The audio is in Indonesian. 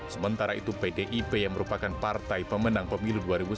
sementara itu pdip yang merupakan partai pemenang pemilu dua ribu sembilan belas